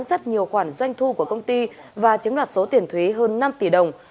rất nhiều khoản doanh thu của công ty và chiếm đoạt số tiền thuế hơn năm tỷ đồng